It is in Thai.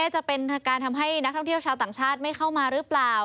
จะเป็นการทำให้นักท่องเที่ยวชาวต่างชาติไม่เข้ามาหรือเปล่า